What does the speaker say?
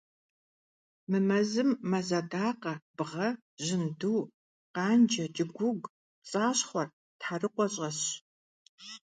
Мы мэзым мэз адакъэ, бгъэ, жьынду, къанжэ, кӀыгуугу, пцӀащхъуэр, тхьэрыкъуэ щӀэсщ.